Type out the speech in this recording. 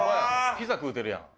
ピザ食うてるやん。